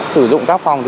sử dụng các phòng thì